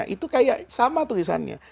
itu kayak sama tulisannya